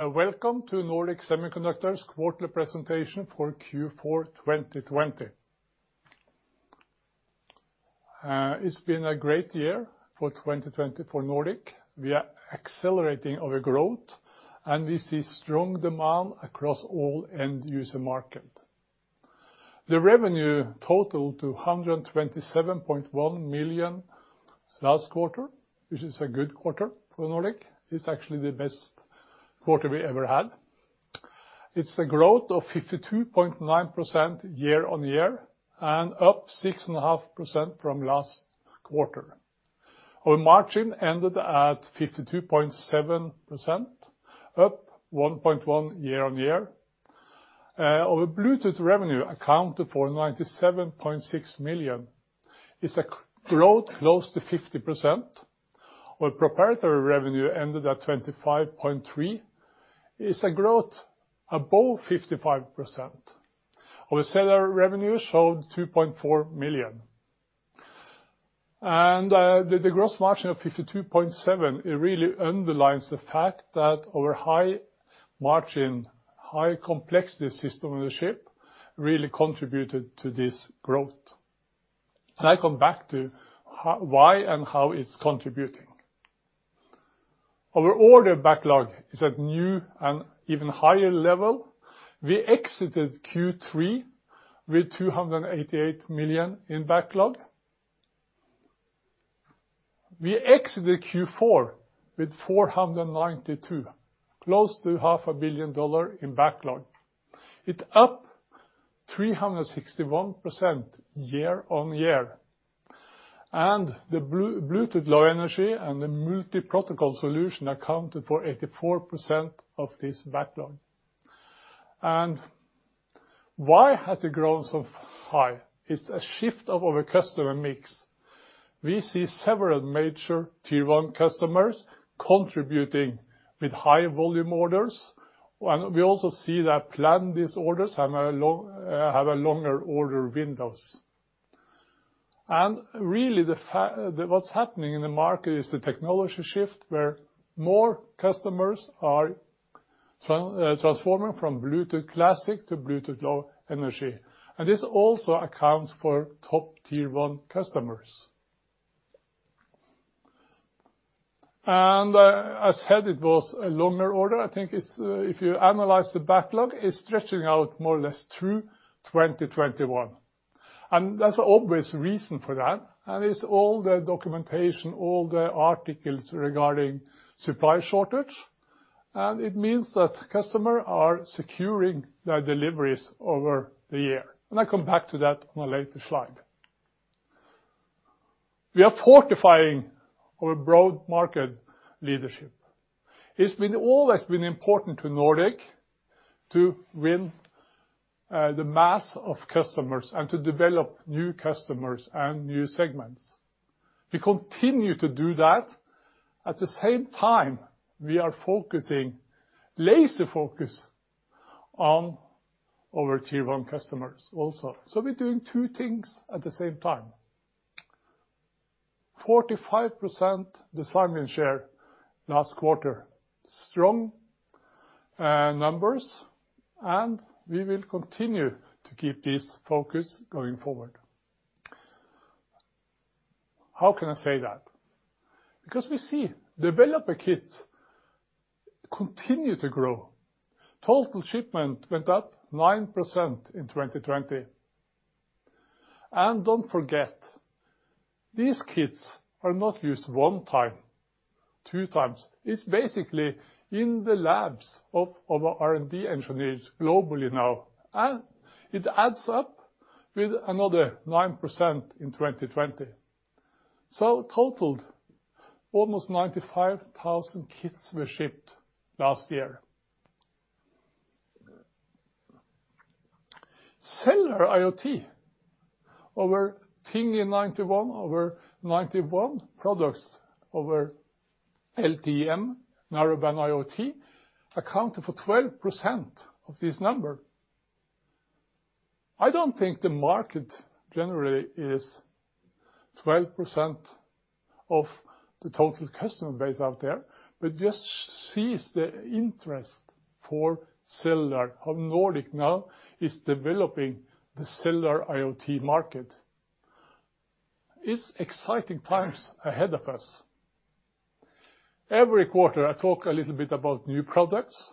Welcome to Nordic Semiconductor's quarterly presentation for Q4 2020. It's been a great year for 2020 for Nordic. We are accelerating our growth, and we see strong demand across all end user market. The revenue total to $127.1 million last quarter, which is a good quarter for Nordic. It's actually the best quarter we ever had. It's a growth of 52.9% year-on-year and up 6.5% from last quarter. Our margin ended at 52.7%, up 1.1% year-on-year. Our Bluetooth revenue accounted for $97.6 million. It's a growth close to 50%. Our proprietary revenue ended at $25.3 million. It's a growth above 55%. Our cellular revenue showed $2.4 million. The gross margin of 52.7%, it really underlines the fact that our high margin, high complexity System-on-Chip ownership really contributed to this growth. I come back to why and how it's contributing. Our order backlog is at new and even higher level. We exited Q3 with $288 million in backlog. We exited Q4 with $492 million, close to half a billion dollar in backlog. It's up 361% year-on-year. The Bluetooth Low Energy and the multi-protocol solution accounted for 84% of this backlog. Why has it grown so high? It's a shift of our customer mix. We see several major tier-1 customers contributing with high volume orders. We also see that planned these orders have a longer order windows. Really what's happening in the market is the technology shift where more customers are transforming from Bluetooth Classic to Bluetooth Low Energy. This also accounts for top tier-1 customers. As said, it was a longer order. I think it's, if you analyze the backlog, it's stretching out more or less through 2021. There's always reason for that. It's all the documentation, all the articles regarding supply shortage. It means that customer are securing their deliveries over the year. I come back to that on a later slide. We are fortifying our broad market leadership. It's always been important to Nordic to win the mass of customers and to develop new customers and new segments. We continue to do that. At the same time, we are focusing, laser-focus on our tier-1 customers also. We're doing two things at the same time. 45% design win share last quarter. Strong numbers, we will continue to keep this focus going forward. How can I say that? We see developer kits continue to grow. Total shipment went up 9% in 2020. Don't forget, these kits are not used one time, two times. It's basically in the labs of our R&D engineers globally now, and it adds up with another 9% in 2020. Total, almost 95,000 kits were shipped last year. Cellular IoT. Our Thingy:91, our 91 products, our LTE-M Narrowband IoT accounted for 12% of this number. I don't think the market generally is 12% of the total customer base out there, but just sees the interest for cellular. Nordic now is developing the Cellular IoT market. It's exciting times ahead of us. Every quarter, I talk a little bit about new products.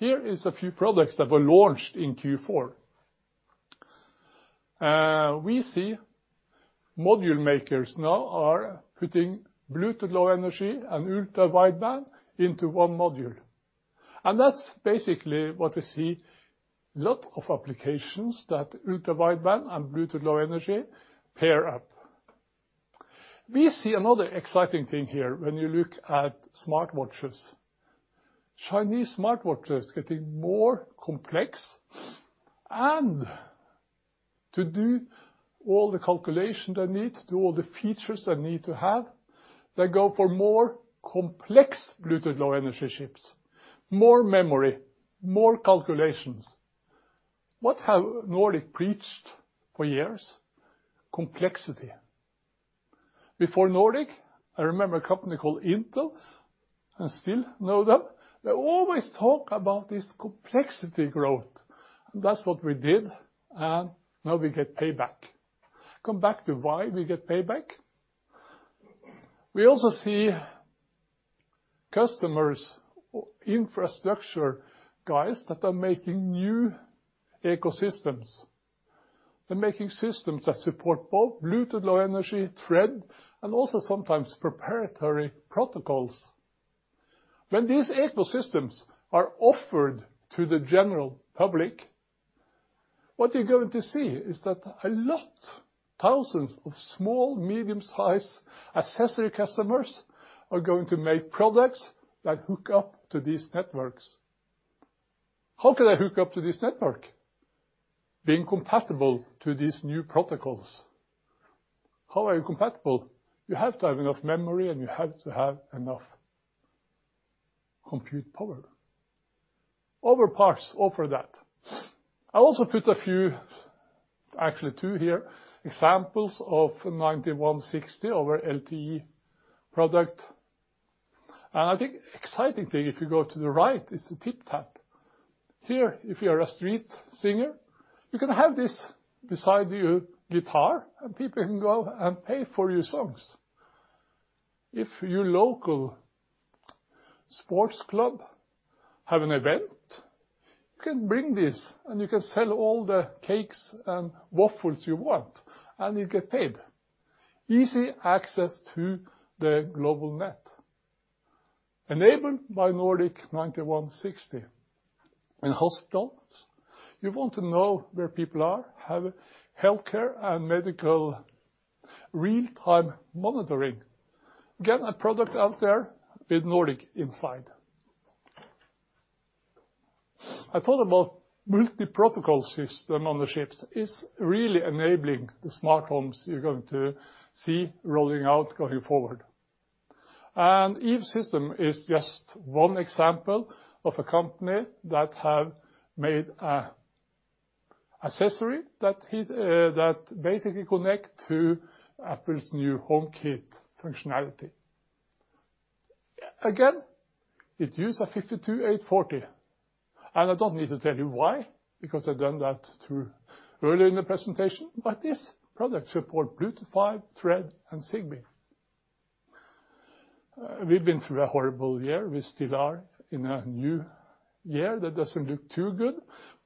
Here is a few products that were launched in Q4. We see module makers now are putting Bluetooth Low Energy and Ultra-wideband into one module. That's basically what we see, lot of applications that Ultra-wideband and Bluetooth Low Energy pair up. We see another exciting thing here when you look at smartwatches. Chinese smartwatches getting more complex and to do all the calculation they need, to do all the features they need to have, they go for more complex Bluetooth Low Energy chips, more memory, more calculations. What have Nordic preached for years? Complexity. Before Nordic, I remember a company called Intel. I still know them. They always talk about this complexity growth. That's what we did, and now we get payback. Come back to why we get payback. We also see customers, infrastructure guys that are making new ecosystems. They're making systems that support both Bluetooth Low Energy, Thread, and also sometimes proprietary protocols. When these ecosystems are offered to the general public, what you're going to see is that a lot, thousands of small, medium-sized accessory customers are going to make products that hook up to these networks. How can I hook up to this network? Being compatible to these new protocols. How are you compatible? You have to have enough memory, and you have to have enough compute power. Other parts offer that. I also put a few, actually two here, examples of nRF9160 over LTE product. I think exciting thing, if you go to the right, is the Tiptap. Here, if you're a street singer, you can have this beside your guitar, and people can go and pay for your songs. If your local sports club have an event, you can bring this, and you can sell all the cakes and waffles you want, and you get paid. Easy access to the global net. Enabled by Nordic nRF9160. In hospitals, you want to know where people are, have healthcare and medical real-time monitoring. Get a product out there with Nordic inside. I thought about multi-protocol System-on-Chip is really enabling the smart homes you're going to see rolling out going forward. Eve Systems is just one example of a company that have made a accessory that is, that basically connect to Apple's new HomeKit functionality. Again, it uses nRF52840, and I don't need to tell you why because I've done that through earlier in the presentation. This product support Bluetooth 5, Thread, and Zigbee. We've been through a horrible year. We still are in a new year that doesn't look too good,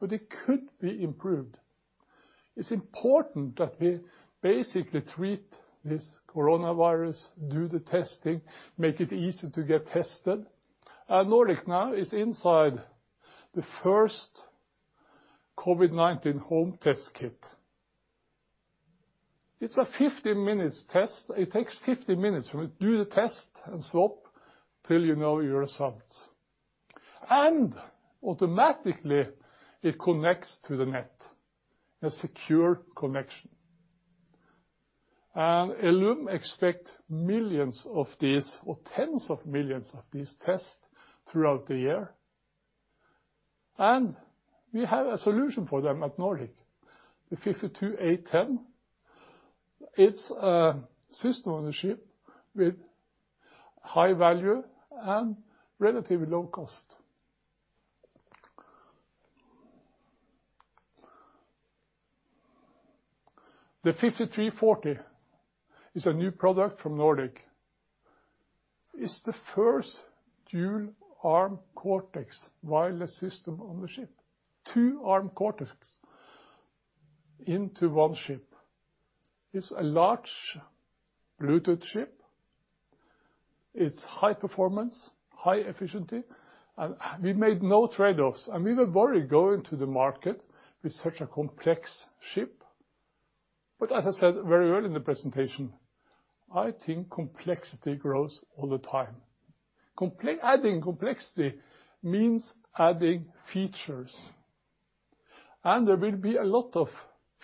but it could be improved. It's important that we basically treat this coronavirus, do the testing, make it easy to get tested. Nordic now is inside the first COVID-19 home test kit. It's a 50 minutes test. It takes 50 minutes from you do the test and stop till you know your results. Automatically it connects to the net, a secure connection. Ellume expect millions of these or tens of millions of these tests throughout the year. We have a solution for them at Nordic. The nRF52810, it's a System-on-Chip with high value and relatively low cost. The nRF5340 is a new product from Nordic. It's the first dual Arm Cortex wireless System-on-Chip. Two Arm Cortex into one chip. It's a large Bluetooth chip. It's high performance, high efficiency, we made no trade-offs. We were worried going to the market with such a complex chip. As I said very early in the presentation, I think complexity grows all the time. Adding complexity means adding features. There will be a lot of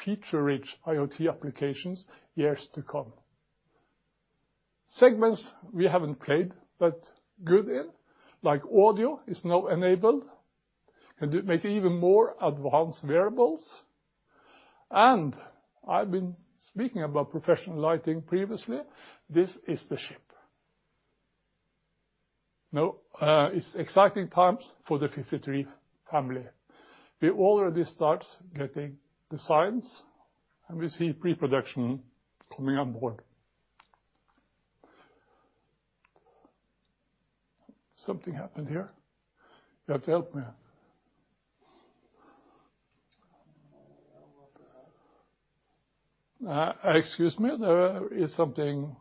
feature-rich IoT applications years to come. Segments we haven't played that good in, like audio, is now enabled. Make even more advanced wearables. I've been speaking about professional lighting previously. This is the chip. Now, it's exciting times for the 53 family. We already start getting designs, and we see pre-production coming on board. Something happened here. You have to help me. Excuse me. There is something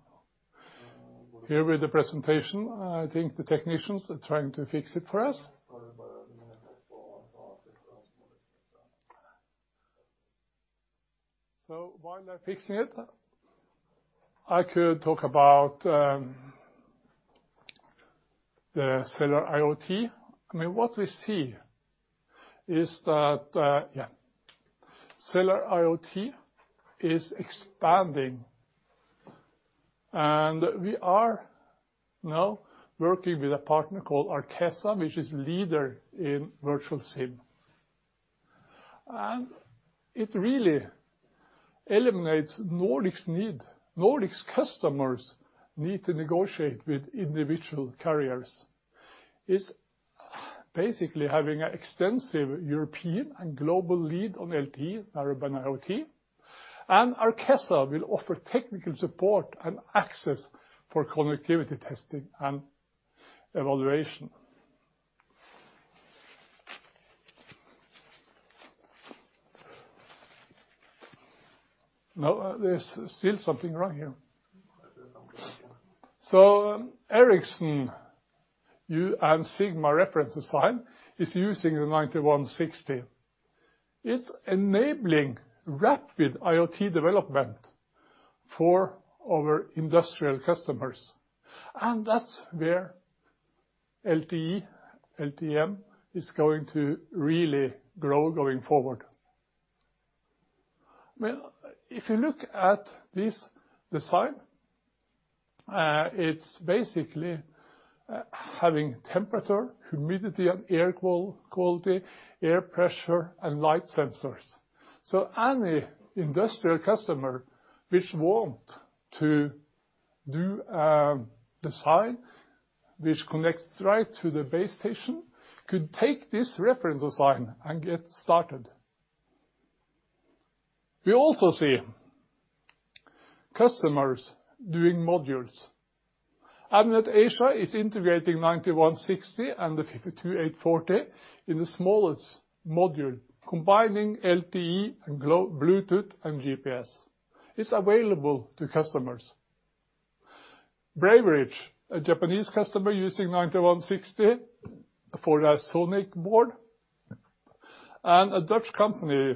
here with the presentation. I think the technicians are trying to fix it for us. While they're fixing it, I could talk about the Cellular IoT. I mean, what we see is that, yeah, Cellular IoT is expanding. We are now working with a partner called Arkessa, which is leader in virtual SIM. It really eliminates Nordic's need, Nordic's customers need to negotiate with individual carriers, is basically having an extensive European and global lead on LTE Narrowband IoT. Arkessa will offer technical support and access for connectivity testing and evaluation. No, there's still something wrong here. Ericsson and Sigma reference design is using the nRF9160. It's enabling rapid IoT development for our industrial customers, and that's where LTE-M is going to really grow going forward Well, if you look at this design, it's basically having temperature, humidity and air quality, air pressure, and light sensors. Any industrial customer which want to do design which connects right to the base station could take this reference design and get started. We also see customers doing modules. Avnet Asia is integrating nRF9160 and the nRF52840 in the smallest module, combining LTE and Bluetooth and GPS. It's available to customers. Braveridge, a Japanese customer using nRF9160 for their SonicBoard. A Dutch company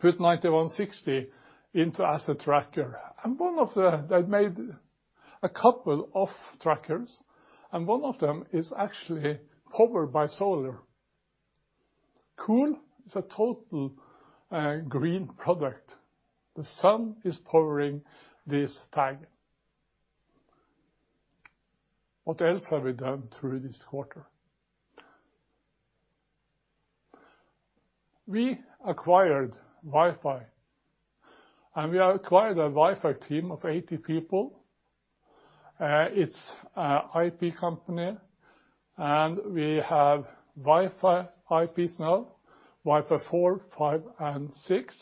put nRF9160 into asset tracker. They made a couple of trackers, and one of them is actually powered by solar. Cool. It's a total green product. The sun is powering this tag. What else have we done through this quarter? We acquired Wi-Fi. We acquired a Wi-Fi team of 80 people. It's a IP company. We have Wi-Fi IPs now, Wi-Fi 4, 5, and 6.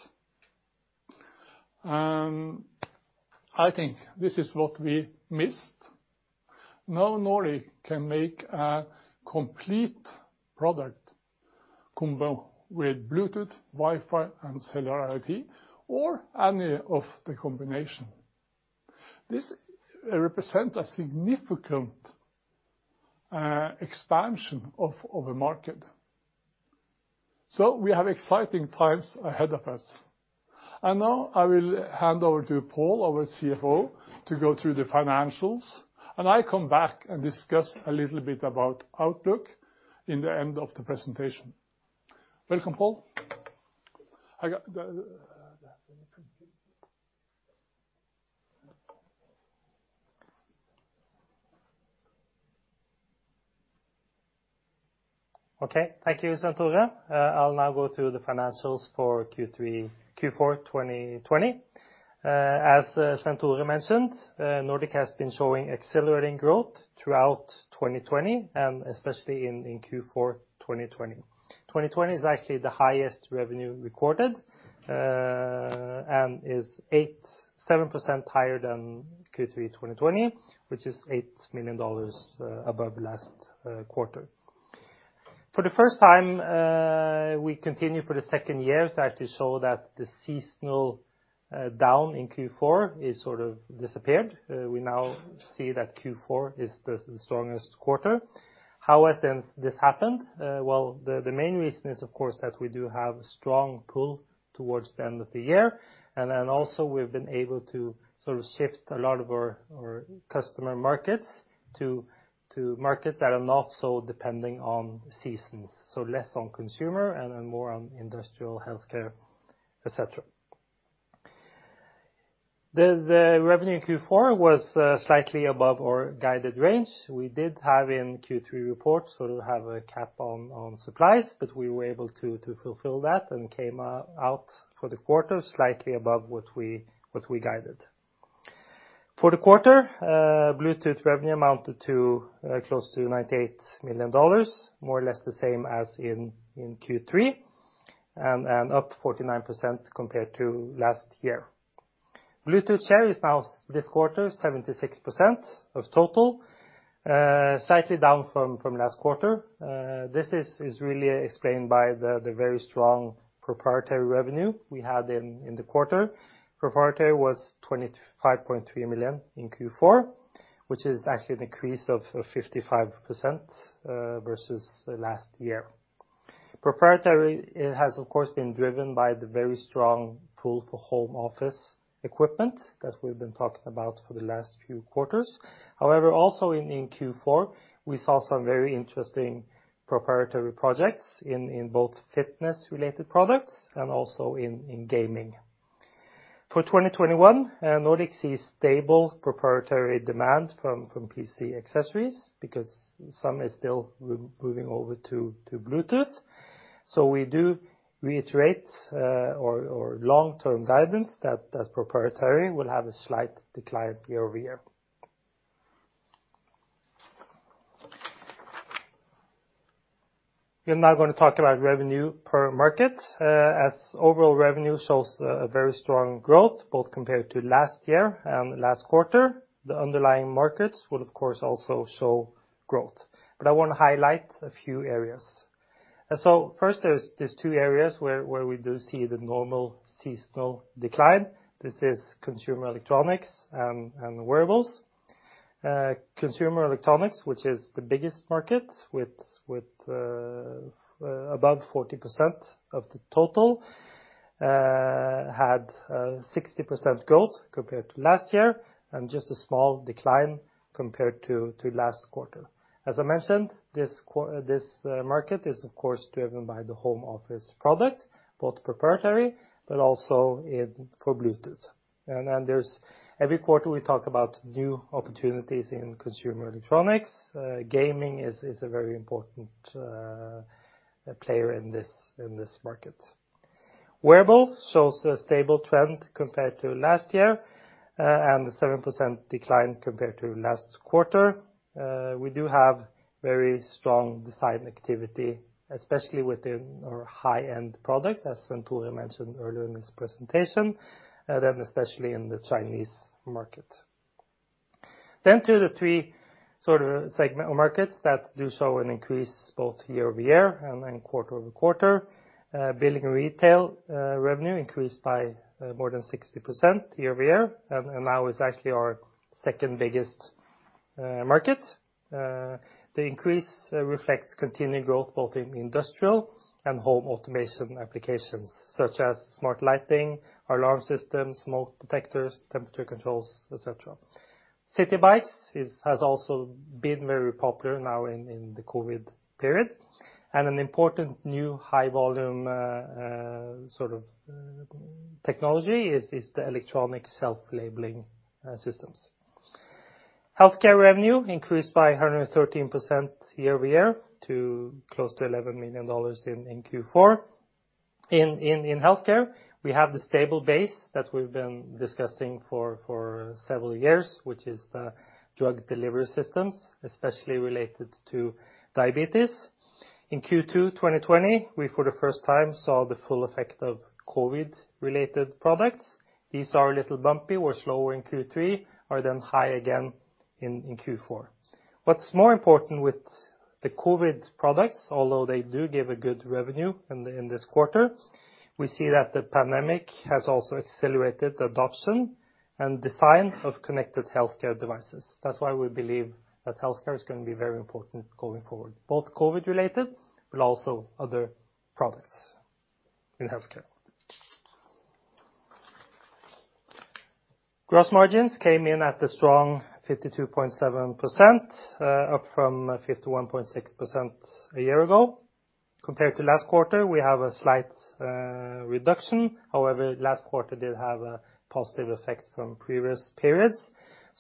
I think this is what we missed. Now Nordic can make a complete product combo with Bluetooth, Wi-Fi, and Cellular IoT or any of the combination. This represent a significant expansion of a market. We have exciting times ahead of us. Now I will hand over to Pål, our CFO, to go through the financials, and I come back and discuss a little bit about outlook in the end of the presentation. Welcome, Pål. Okay. Thank you, Svenn-Tore. I'll now go through the financials for Q4 2020. As Svenn-Tore mentioned, Nordic has been showing accelerating growth throughout 2020, and especially in Q4 2020. 2020 is actually the highest revenue recorded, and is 7% higher than Q3 2020, which is $8 million above last quarter. For the first time, we continue for the second year to actually show that the seasonal down in Q4 is sort of disappeared. We now see that Q4 is the strongest quarter. How has then this happened? Well, the main reason is, of course, that we do have strong pull towards the end of the year. Then also we've been able to sort of shift a lot of our customer markets to markets that are not so depending on seasons, so less on consumer and more on industrial, healthcare, et cetera. The revenue in Q4 was slightly above our guided range. We did have in Q3 reports sort of have a cap on supplies, but we were able to fulfill that and came out for the quarter slightly above what we guided. For the quarter, Bluetooth revenue amounted to close to $98 million, more or less the same as in Q3, and up 49% compared to last year. Bluetooth share is now this quarter 76% of total, slightly down from last quarter. This is really explained by the very strong proprietary revenue we had in the quarter. Proprietary was $25.3 million in Q4, which is actually an increase of 55% versus last year. Proprietary, it has, of course, been driven by the very strong pull for home office equipment that we've been talking about for the last few quarters. However, also in Q4, we saw some very interesting proprietary projects in both fitness related products and also in gaming. For 2021, Nordic see stable proprietary demand from PC accessories because some is still removing over to Bluetooth. We do reiterate our long-term guidance that as proprietary will have a slight decline year-over-year. We're now gonna talk about revenue per market, as overall revenue shows a very strong growth, both compared to last year and last quarter. The underlying markets will of course also show growth. I wanna highlight a few areas. First there's two areas where we do see the normal seasonal decline. This is consumer electronics and wearables. Consumer electronics, which is the biggest market with above 40% of the total, had 60% growth compared to last year and just a small decline compared to last quarter. As I mentioned, this market is of course driven by the home office products, both proprietary but also for Bluetooth. Then there's every quarter we talk about new opportunities in consumer electronics. Gaming is a very important player in this market. Wearable shows a stable trend compared to last year, and a 7% decline compared to last quarter. We do have very strong design activity, especially within our high-end products, as Svenn-Tore mentioned earlier in his presentation, especially in the Chinese market. To the three sort of segment markets that do show an increase both year-over-year and quarter-over-quarter, building and retail revenue increased by more than 60% year-over-year and now is actually our second-biggest market. The increase reflects continued growth both in industrial and home automation applications, such as smart lighting, alarm systems, smoke detectors, temperature controls, et cetera. City Bikes has also been very popular now in the COVID period. An important new high volume technology is the Electronic Shelf Labeling systems. Healthcare revenue increased by 113% year-over-year to close to $11 million in Q4. In healthcare, we have the stable base that we've been discussing for several years, which is the drug delivery systems, especially related to diabetes. In Q2 2020, we for the first time saw the full effect of COVID-related products. These are a little bumpy or slower in Q3, are then high again in Q4. What's more important with the COVID products, although they do give a good revenue in this quarter, we see that the pandemic has also accelerated the adoption and design of connected healthcare devices. That's why we believe that healthcare is gonna be very important going forward, both COVID-related but also other products in healthcare. Gross margins came in at a strong 52.7%, up from 51.6% a year ago. Compared to last quarter, we have a slight reduction. However, last quarter did have a positive effect from previous periods.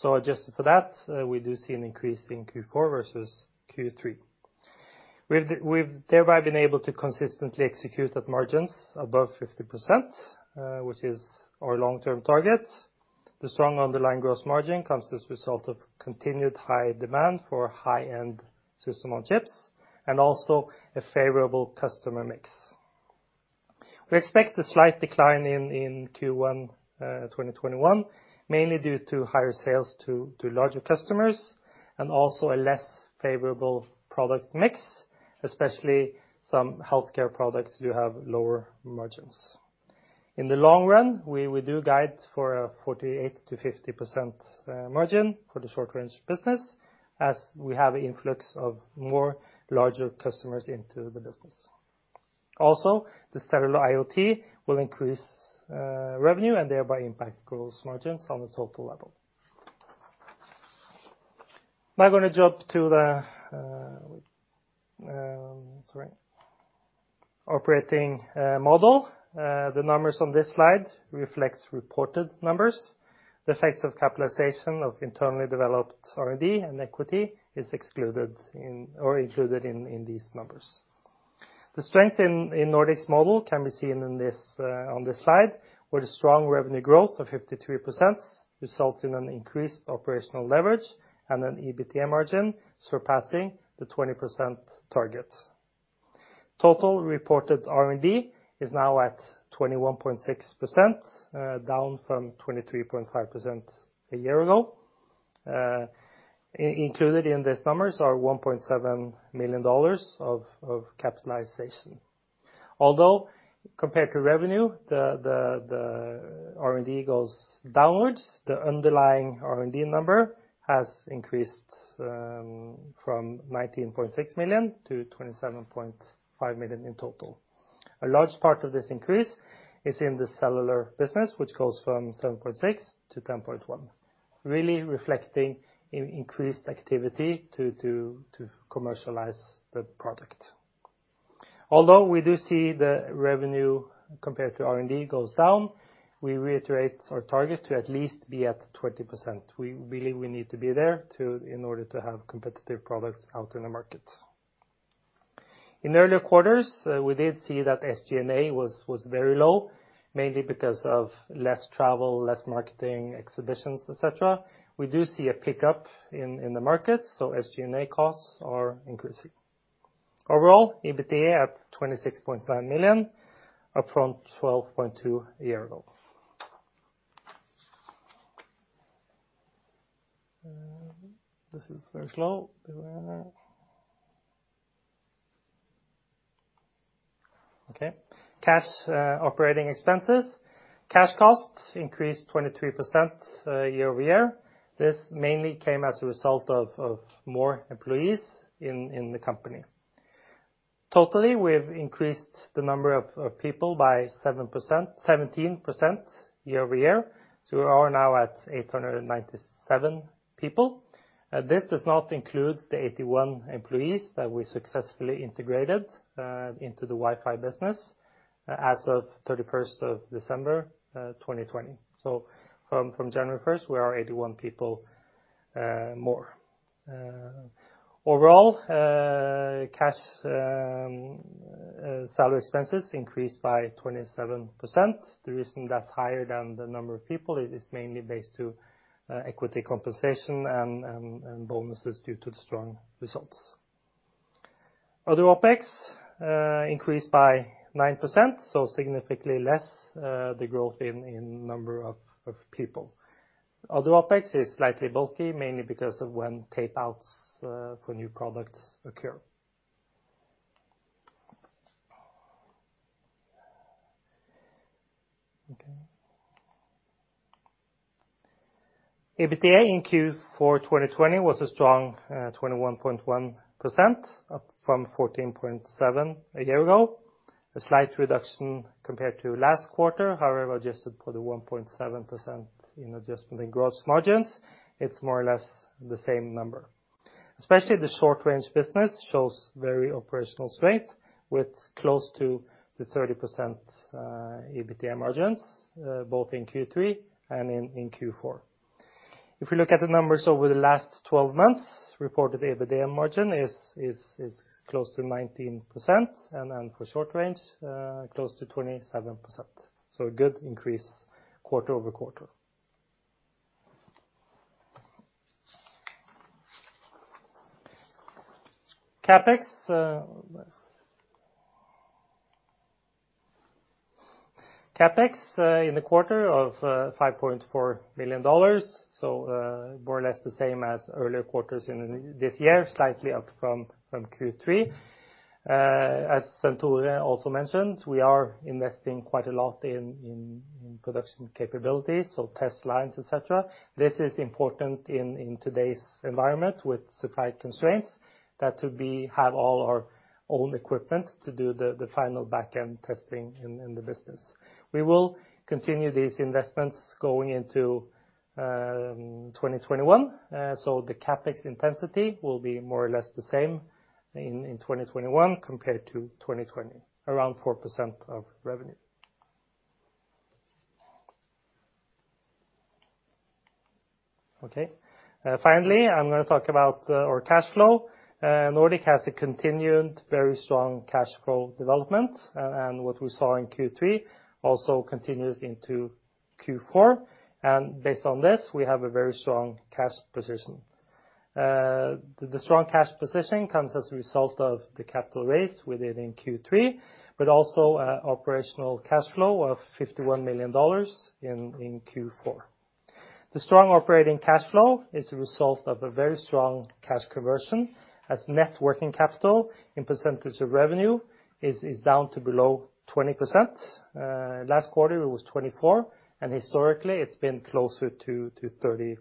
Adjusted for that, we do see an increase in Q4 versus Q3. We've thereby been able to consistently execute at margins above 50%, which is our long-term target. The strong underlying gross margin comes as a result of continued high demand for high-end System-on-Chips and also a favorable customer mix. We expect a slight decline in Q1 2021, mainly due to higher sales to larger customers and also a less favorable product mix, especially some healthcare products do have lower margins. In the long run, we do guide for a 48%-50% margin for the short range business as we have influx of more larger customers into the business. The Cellular IoT will increase revenue and thereby impact gross margins on the total level. I'm gonna jump to the operating model. The numbers on this slide reflects reported numbers. The effects of capitalization of internally developed R&D and equity is excluded in or included in these numbers. The strength in Nordic's model can be seen in this on this slide, where the strong revenue growth of 53% results in an increased operational leverage and an EBITDA margin surpassing the 20% target. Total reported R&D is now at 21.6%, down from 23.5% a year ago. Included in these numbers are $1.7 million of capitalization. Compared to revenue, the R&D goes downwards, the underlying R&D number has increased from $19.6 million to $27.5 million in total. A large part of this increase is in the cellular business, which goes from $7.6 million to $10.1 million, really reflecting in increased activity to commercialize the product. Although we do see the revenue compared to R&D goes down, we reiterate our target to at least be at 20%. We believe we need to be there in order to have competitive products out in the market. In earlier quarters, we did see that SG&A was very low, mainly because of less travel, less marketing, exhibitions, et cetera. We do see a pickup in the market, so SG&A costs are increasing. Overall, EBITDA at $26.9 million, up from $12.2 million a year ago. This is very slow. Bear with me. Okay. Cash operating expenses. Cash costs increased 23% year-over-year. This mainly came as a result of more employees in the company. Totally, we've increased the number of people by 17% year-over-year, so we are now at 897 people. This does not include the 81 employees that we successfully integrated into the Wi-Fi business as of 31st of December, 2020. From January 1st, we are 81 people more. Overall, cash salary expenses increased by 27%. The reason that's higher than the number of people, it is mainly based to equity compensation and bonuses due to the strong results. Other OpEx increased by 9%, significantly less the growth in number of people. Other OpEx is slightly bulky, mainly because of when tapeouts for new products occur. EBITDA in Q4 2020 was a strong 21.1%, up from 14.7% a year ago. A slight reduction compared to last quarter, however, adjusted for the 1.7% in adjustment in gross margins, it's more or less the same number. Especially the short-range business shows very operational strength with close to the 30% EBITDA margins both in Q3 and in Q4. If we look at the numbers over the last 12 months, reported EBITDA margin is close to 19%, and then for short range, close to 27%. A good increase quarter-over-quarter. CapEx in the quarter of $5.4 million, more or less the same as earlier quarters this year, slightly up from Q3. As Svenn-Tore also mentioned, we are investing quite a lot in production capabilities, so test lines, et cetera. This is important in today's environment with supply constraints, that have all our own equipment to do the final back-end testing in the business. We will continue these investments going into 2021, so the CapEx intensity will be more or less the same in 2021 compared to 2020, around 4% of revenue. Okay. Finally, I'm gonna talk about our cash flow. Nordic has a continued very strong cash flow development, and what we saw in Q3 also continues into Q4. Based on this, we have a very strong cash position. The strong cash position comes as a result of the capital raise within Q3, but also a operational cash flow of $51 million in Q4. The strong operating cash flow is a result of a very strong cash conversion, as net working capital in percentage of revenue is down to below 20%. Last quarter it was 24%, and historically, it's been closer to 30%.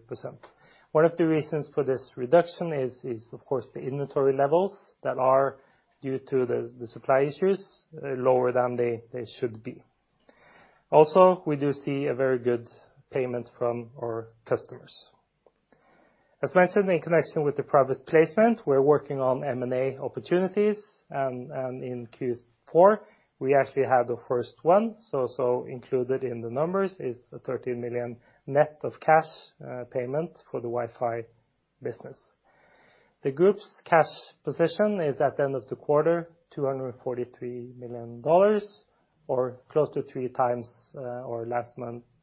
One of the reasons for this reduction is of course the inventory levels that are, due to the supply issues, lower than they should be. Also, we do see a very good payment from our customers. As mentioned in connection with the private placement, we're working on M&A opportunities, and in Q4, we actually had the first one. Included in the numbers is the $13 million net of cash payment for the Wi-Fi business. The group's cash position is, at the end of the quarter, $243 million, or close to three times our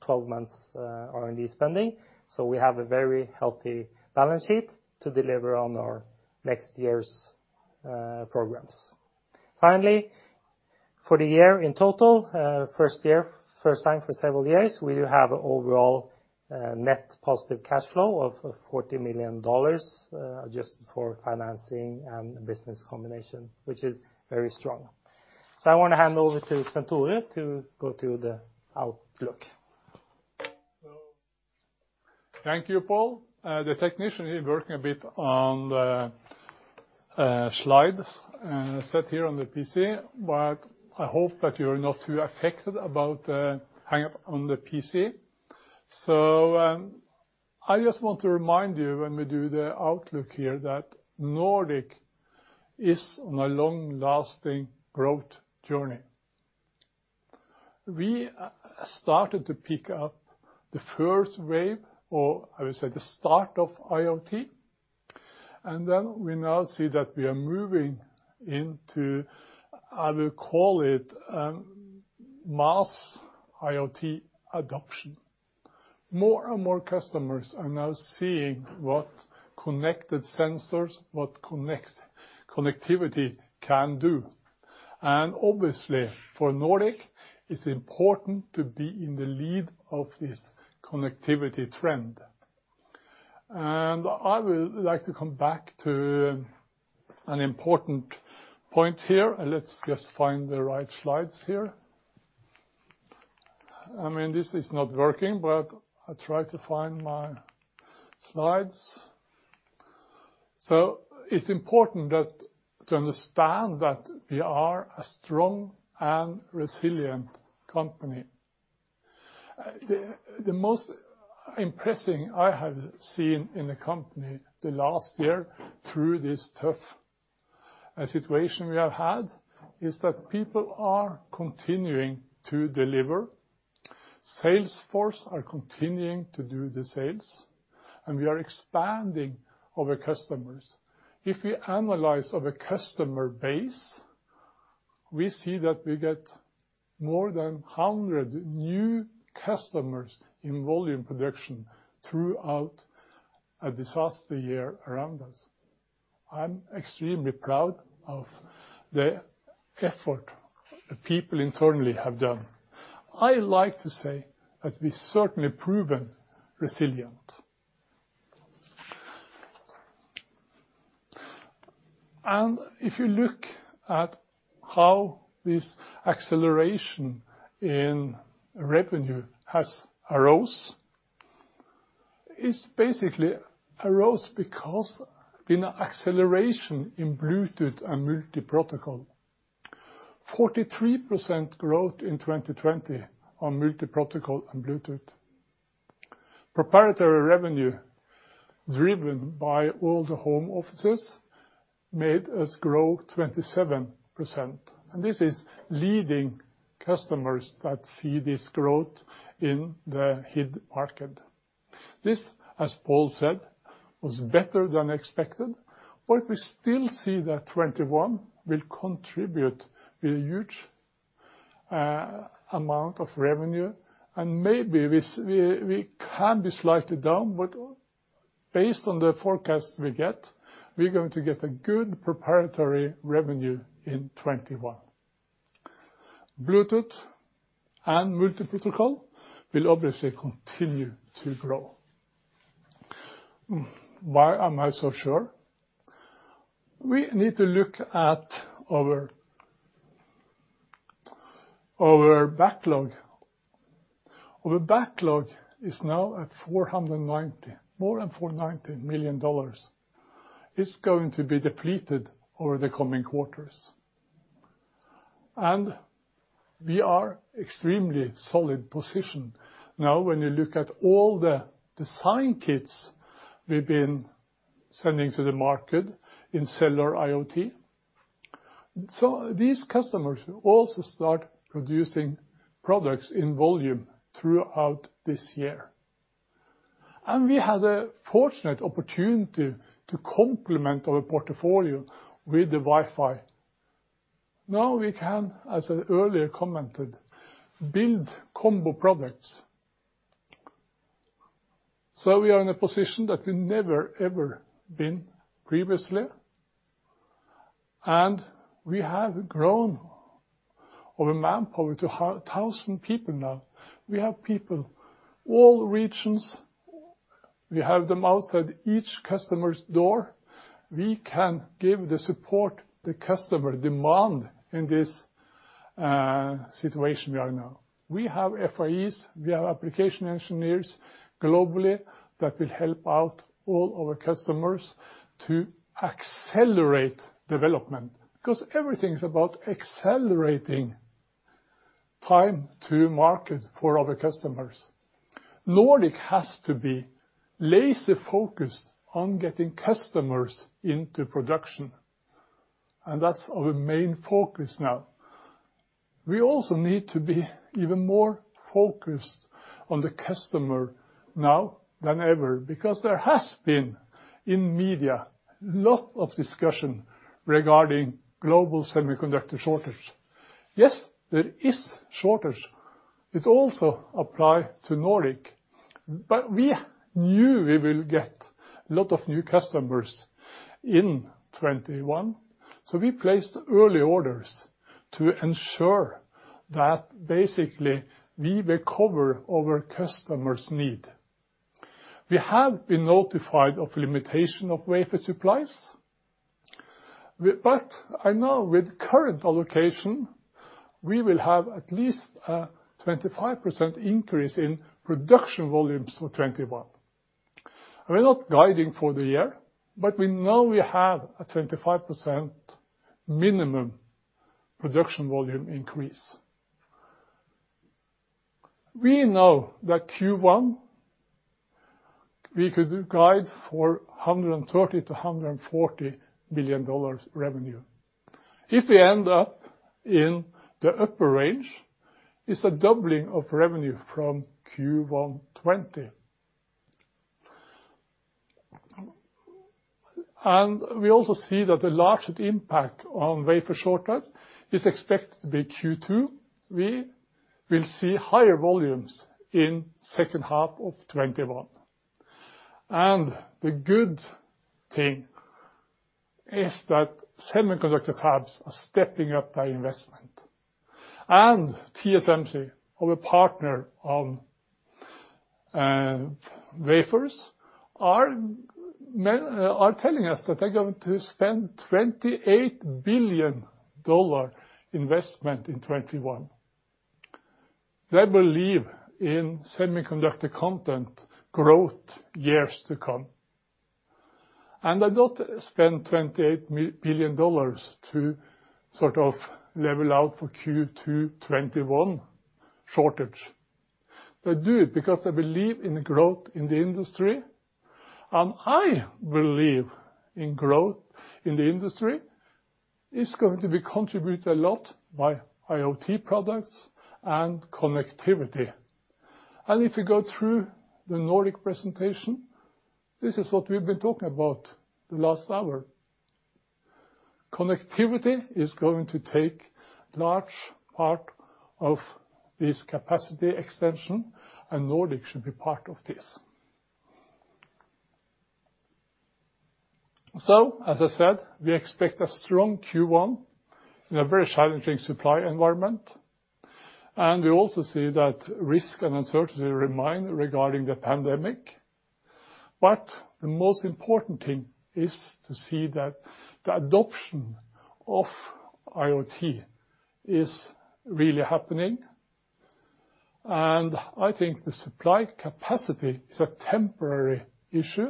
12 months' R&D spending. We have a very healthy balance sheet to deliver on our next year's programs. Finally, for the year in total, first year, first time for several years, we do have overall net positive cash flow of $40 million, adjusted for financing and business combination, which is very strong. I wanna hand over to Svenn-Tore to go to the outlook. Thank you, Pål. The technician here working a bit on the slides set here on the PC, but I hope that you're not too affected about the hang-up on the. I just want to remind you when we do the outlook here, that Nordic is on a long-lasting growth journey. We started to pick up the first wave, or I would say the start of IoT, then we now see that we are moving into, I will call it, mass IoT adoption. More and more customers are now seeing what connected sensors, what connectivity can do. Obviously for Nordic, it's important to be in the lead of this connectivity trend. I would like to come back to an important point here. Let's just find the right slides here. I mean, this is not working, I try to find my slides. It's important to understand that we are a strong and resilient company. The most impressive I have seen in the company the last year through this tough situation we have had, is that people are continuing to deliver. Sales force are continuing to do the sales, we are expanding our customers. If we analyze our customer base, we see that we get more than 100 new customers in volume production throughout a disaster year around us. I'm extremely proud of the effort people internally have done. I like to say that we've certainly proven resilient. If you look at how this acceleration in revenue has arose, it's basically arose because been acceleration in Bluetooth and multi-protocol. 43% growth in 2020 on multi-protocol and Bluetooth. Proprietary revenue, driven by all the home offices, made us grow 27%, and this is leading customers that see this growth in the HID market. This, as Pål said, was better than expected, but we still see that 2021 will contribute a huge amount of revenue. Maybe we can be slightly down, but based on the forecast we get, we're going to get a good proprietary revenue in 2021. Bluetooth and multi-protocol will obviously continue to grow. Why am I so sure? We need to look at our backlog. Our backlog is now at more than $490 million. It's going to be depleted over the coming quarters. We are extremely solid position. Now, when you look at all the design kits we've been sending to the market in Cellular IoT. These customers will also start producing products in volume throughout this year. We had a fortunate opportunity to complement our portfolio with the Wi-Fi. Now we can, as I earlier commented, build combo products. We are in a position that we never, ever been previously, and we have grown our manpower to 1,000 people now. We have people all regions. We have them outside each customer's door. We can give the support the customer demand in this situation we are now. We have FAEs, we have application engineers globally that will help out all our customers to accelerate development, because everything's about accelerating time to market for our customers. Nordic has to be laser focused on getting customers into production, and that's our main focus now. We also need to be even more focused on the customer now than ever, because there has been in media lot of discussion regarding global semiconductor shortage. Yes, there is shortage. It also apply to Nordic. We knew we will get lot of new customers in 2021, so we placed early orders to ensure that basically we will cover our customers' need. We have been notified of limitation of wafer supplies. I know with current allocation, we will have at least a 25% increase in production volumes for 2021. We're not guiding for the year, but we know we have a 25% minimum production volume increase. We know that Q1, we could do guide for $130 billion-$140 billion revenue. If we end up in the upper range, it's a doubling of revenue from Q1 2020. We also see that the largest impact on wafer shortage is expected to be Q2. We will see higher volumes in second half of 2021. The good thing is that semiconductor fabs are stepping up their investment. TSMC, our partner on wafers, are telling us that they're going to spend $28 billion investment in 2021. They believe in semiconductor content growth years to come. They don't spend $28 billion to sort of level out for Q2 2021 shortage. They do it because they believe in the growth in the industry, and I believe in growth in the industry. It's going to be contributed a lot by IoT products and connectivity. If you go through the Nordic presentation, this is what we've been talking about the last hour. Connectivity is going to take large part of this capacity extension, Nordic should be part of this. As I said, we expect a strong Q1 in a very challenging supply environment, we also see that risk and uncertainty remain regarding the pandemic. The most important thing is to see that the adoption of IoT is really happening, I think the supply capacity is a temporary issue.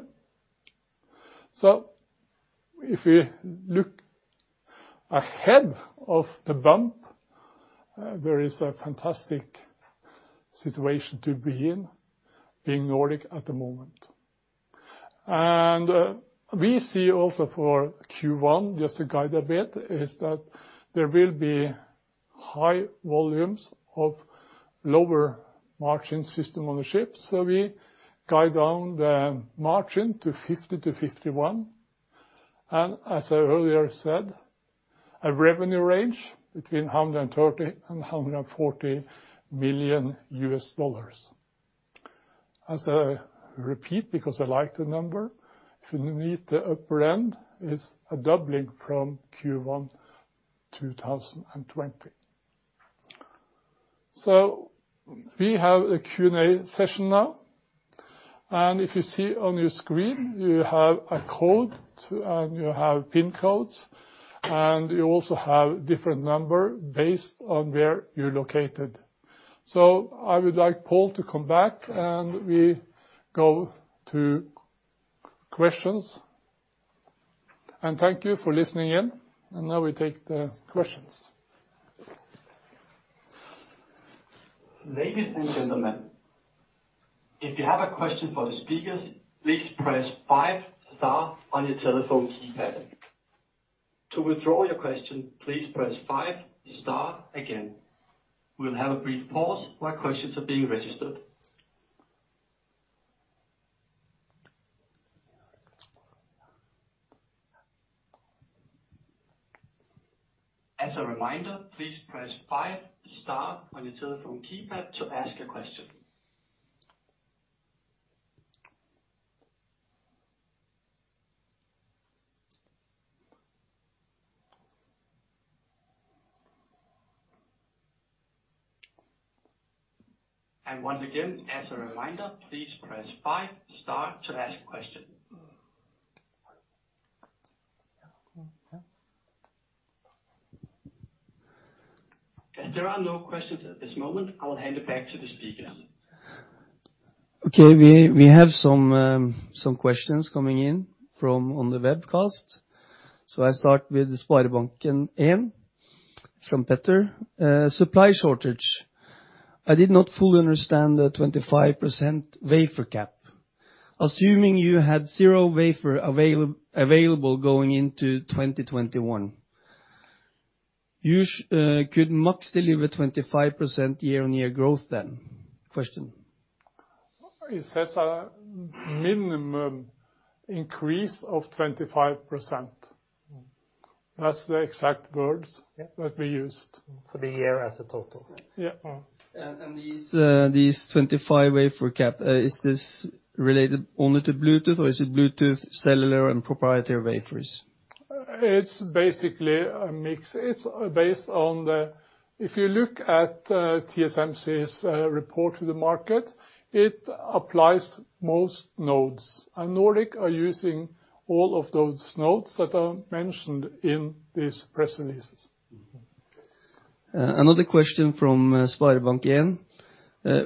If you look ahead of the bump, there is a fantastic situation to be in, being Nordic at the moment. We see also for Q1, just to guide a bit, is that there will be high volumes of lower margin System-on-Chip. We guide down the margin to 50%-51%. As I earlier said, a revenue range between $130 million and $140 million. As I repeat, because I like the number, if you meet the upper end, it's a doubling from Q1 2020. We have a Q&A session now. If you see on your screen, you have a code to. You have pin codes, and you also have different number based on where you're located. I would like Pål to come back, and we go to questions. Thank you for listening in, and now we take the questions. Ladies and gentlemen, if you have a question for the speakers, please press five star on your telephone keypad. To withdraw your question, please press five star again. We'll have a brief pause while questions are being registered. As a reminder, please press five star on your telephone keypad to ask a question. Once again, as a reminder, please press five star to ask a question. As there are no questions at this moment, I will hand it back to the speaker. Okay. We, we have some questions coming in from on the webcast. I start with SpareBank 1 Markets from Petter. Supply shortage. I did not fully understand the 25% wafer cap. Assuming you had zero wafer available going into 2021, you could max deliver 25% year-on-year growth then? It says a minimum increase of 25%. That's the exact words that we used. For the year as a total. These 25% wafer cap, is this related only to Bluetooth, or is it Bluetooth, cellular, and proprietary wafers? It's basically a mix. If you look at, TSMC's report to the market, it applies most nodes. Nordic are using all of those nodes that are mentioned in this press release. Another question from Sparebank again.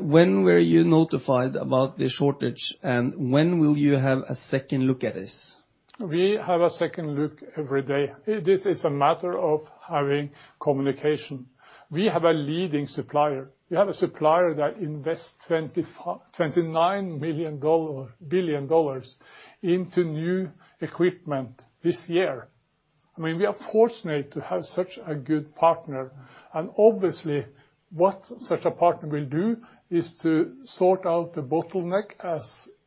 When were you notified about the shortage, and when will you have a second look at this? We have a second look every day. This is a matter of having communication. We have a leading supplier. We have a supplier that invests $29 billion into new equipment this year. I mean, we are fortunate to have such a good partner, and obviously what such a partner will do is to sort out the bottleneck as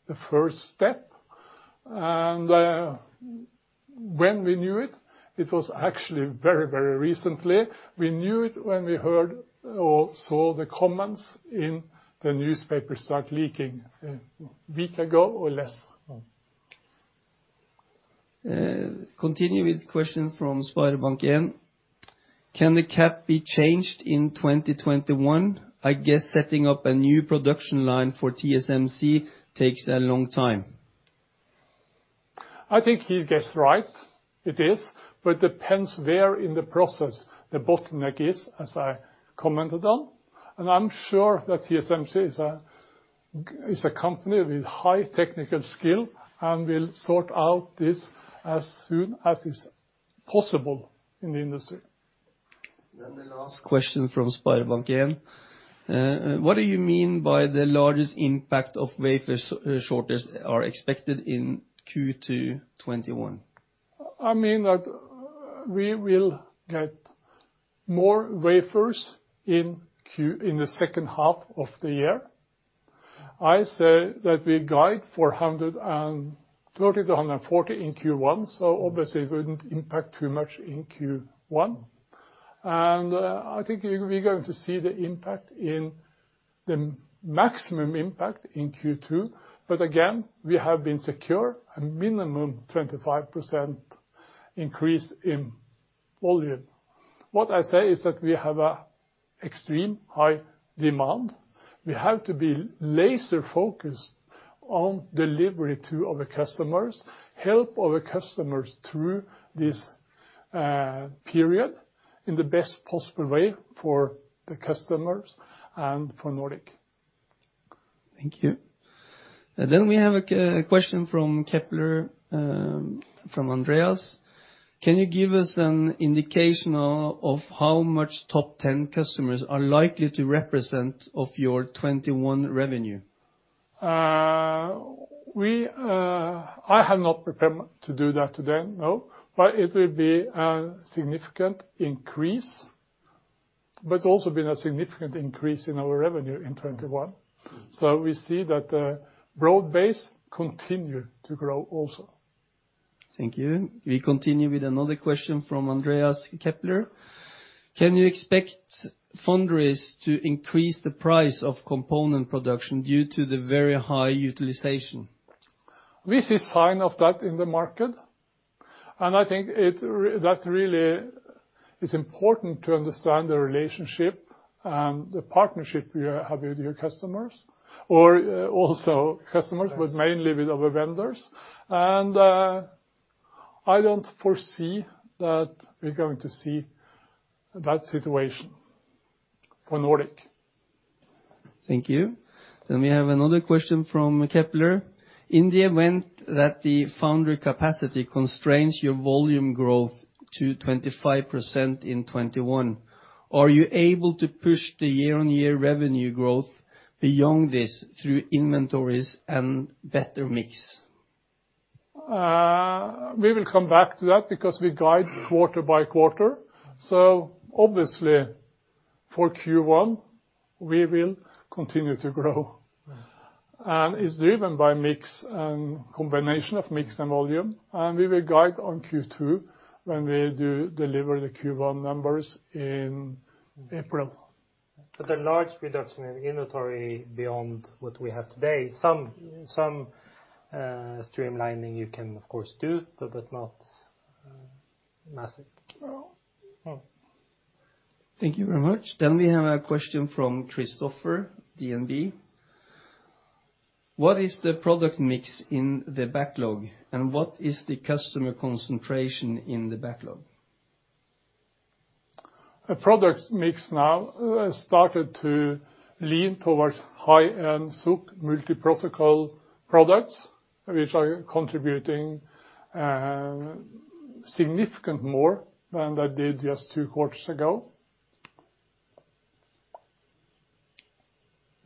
the first step. When we knew it was actually very, very recently. We knew it when we heard or saw the comments in the newspaper start leaking, a week ago or less. Continue with question from Sparebank again. Can the CapEx be changed in 2021? I guess setting up a new production line for TSMC takes a long time. I think he's guessed right. It is. Depends where in the process the bottleneck is, as I commented on, and I'm sure that TSMC is a, is a company with high technical skill and will sort out this as soon as is possible in the industry. The last question from Sparebank again. What do you mean by the largest impact of wafer shortage are expected in Q2 2021? I mean that we will get more wafers in the second half of the year. I say that we guide 430 to 140 in Q1, so obviously it wouldn't impact too much in Q1. I think we're going to see the impact, the maximum impact in Q2. Again, we have been secure and minimum 25% increase in volume. What I say is that we have a extreme high demand. We have to be laser focused on delivery to our customers, help our customers through this period in the best possible way for the customers and for Nordic. Thank you. We have a question from Kepler, from Andreas. Can you give us an indication of how much top ten customers are likely to represent of your 2021 revenue? I have not prepared to do that today, no. It will be a significant increase. Also been a significant increase in our revenue in 2021. We see that the broad base continue to grow also. Thank you. We continue with another question from Andreas at Kepler. Can you expect foundries to increase the price of component production due to the very high utilization? We see sign of that in the market, and I think that's really it's important to understand the relationship and the partnership we have with your customers, or also customers, but mainly with our vendors. I don't foresee that we're going to see that situation for Nordic. Thank you. We have another question from Kepler. In the event that the foundry capacity constrains your volume growth to 25% in 2021, are you able to push the year-on-year revenue growth beyond this through inventories and better mix? We will come back to that because we guide quarter by quarter. Obviously for Q1, we will continue to grow. It's driven by mix and combination of mix and volume, and we will guide on Q2 when we do deliver the Q1 numbers in April. The large reduction in inventory beyond what we have today, some streamlining you can of course do, but not massive. Thank you very much. We have a question from Christoffer, DNB. What is the product mix in the backlog, and what is the customer concentration in the backlog? A product mix now has started to lean towards high-end SoCs multi-protocol products, which are contributing significant more than they did just two quarters ago.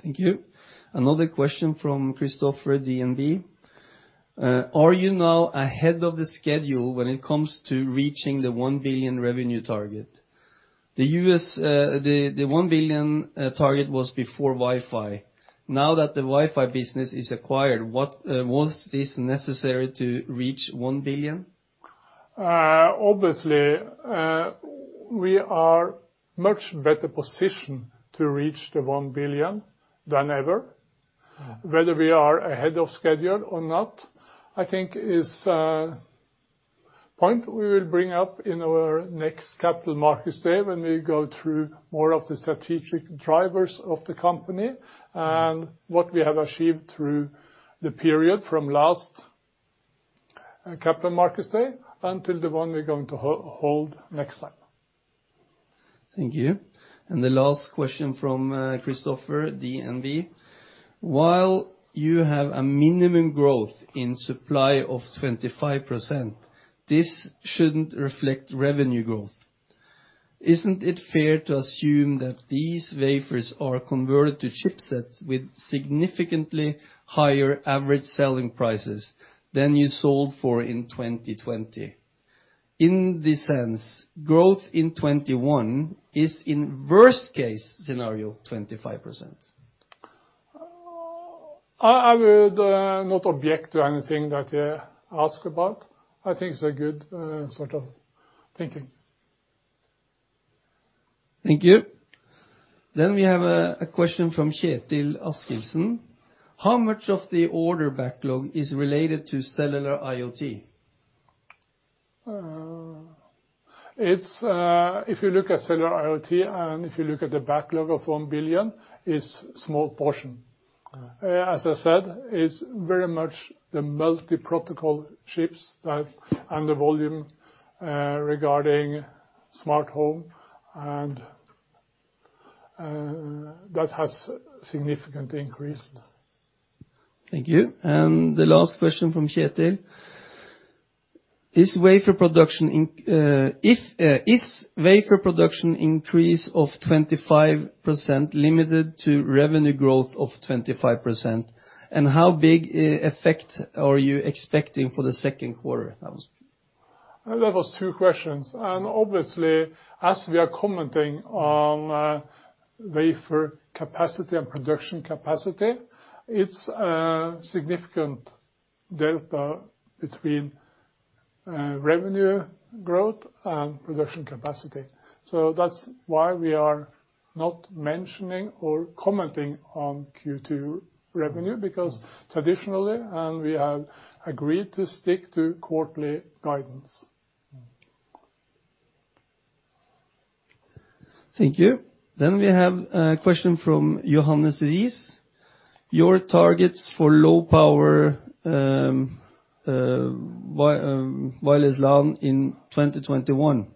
Thank you. Another question from Christoffer, DNB. Are you now ahead of the schedule when it comes to reaching the $1 billion revenue target? The $1 billion target was before Wi-Fi. Now that the Wi-Fi business is acquired, what was this necessary to reach $1 billion? Obviously, we are much better positioned to reach the 1 billion than ever. Whether we are ahead of schedule or not, I think is a point we will bring up in our next Capital Markets Day when we go through more of the strategic drivers of the company and what we have achieved through the period from last Capital Markets Day until the one we're going to hold next time. Thank you. The last question from Christoffer DNB. While you have a minimum growth in supply of 25%, this shouldn't reflect revenue growth. Isn't it fair to assume that these wafers are converted to chipsets with significantly higher average selling prices than you sold for in 2020? In the sense growth in 2021 is in worst case scenario, 25%. I would not object to anything that you ask about. I think it's a good sort of thinking. Thank you. We have a question from Ketil Askildsen. How much of the order backlog is related to Cellular IoT? It's, if you look at Cellular IoT and if you look at the backlog of 1 billion, it's small portion as I said, the volume, regarding smart home and, that has significantly increased. Thank you. The last question from Ketil. Is wafer production if, is wafer production increase of 25% limited to revenue growth of 25%? How big effect are you expecting for the second quarter? That was 2 questions. Obviously, as we are commenting on, wafer capacity and production capacity, it's a significant delta between, revenue growth and production capacity. That's why we are not mentioning or commenting on Q2 revenue. Traditionally, and we have agreed to stick to quarterly guidance. Thank you. We have a question from Johannes Ries. Your targets for low power wireless LAN in 2021,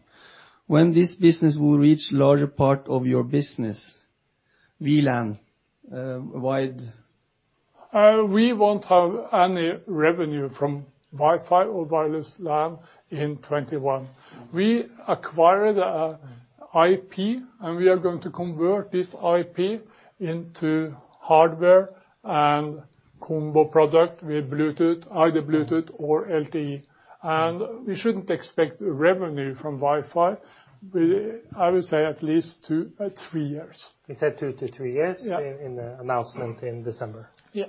when this business will reach larger part of your business, WLAN, wide... We won't have any revenue from Wi-Fi or wireless LAN in 2021. We acquired a IP. We are going to convert this IP into hardware and combo product with Bluetooth, either Bluetooth or LTE. We shouldn't expect revenue from Wi-Fi with, I would say at least 3 years. We said two to three years in the announcement in December. Yeah.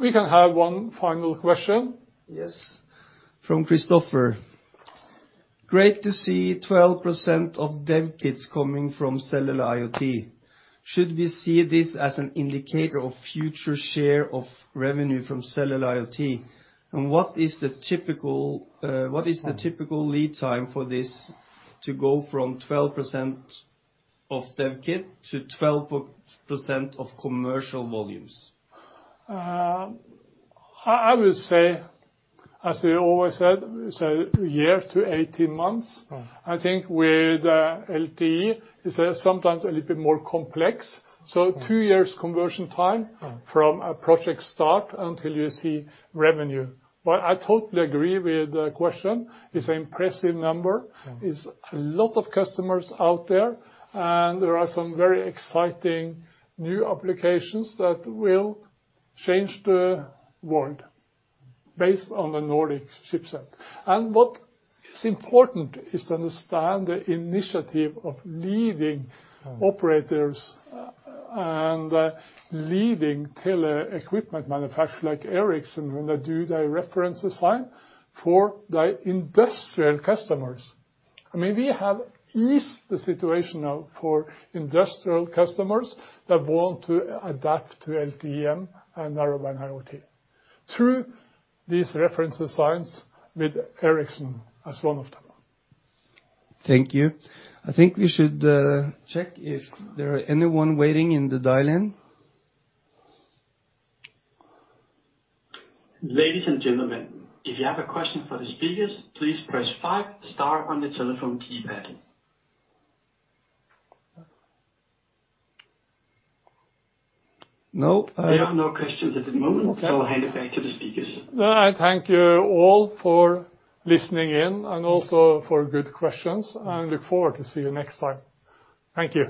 We can have one final question. Yes. From Christoffer. Great to see 12% of dev kits coming from Cellular IoT. Should we see this as an indicator of future share of revenue from Cellular IoT? What is the typical lead time for this to go from 12% of commercial volumes? I would say, as we always said, it's a year to 18 months. I think with LTE, it's sometimes a little bit more complex two years conversion time from a project start until you see revenue. I totally agree with the question. It's impressive number. There's a lot of customers out there, and there are some very exciting new applications that will change the world based on the Nordic chipset. What is important is to understand the initiative of leading operators, and leading tele equipment manufacturer like Ericsson when they do their reference design for their industrial customers. I mean, we have eased the situation now for industrial customers that want to adapt to LTE-M and Narrowband IoT through these reference designs with Ericsson as one of them. Thank you. I think we should check if there are anyone waiting in the dial-in. Ladies and gentlemen, if you have a question for the speakers, please press five star on your telephone keypad. There are no questions at this moment. I'll hand it back to the speakers. No, I thank you all for listening in, and also for good questions, and look forward to see you next time. Thank you.